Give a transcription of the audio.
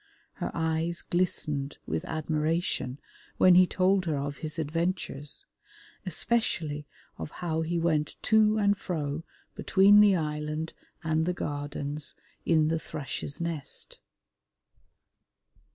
Her eyes glistened with admiration when he told her of his adventures, especially of how he went to and fro between the island and the Gardens in the Thrush's Nest.